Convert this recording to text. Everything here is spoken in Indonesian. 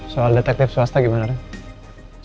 soal detektif swasta gimana